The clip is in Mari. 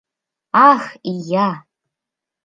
Ах, ия!